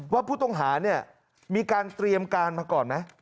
ว่าผู้ต้องหาเนี่ยมีการเตรียมการมาก่อนไหม